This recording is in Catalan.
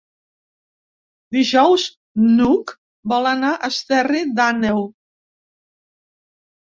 Dijous n'Hug vol anar a Esterri d'Àneu.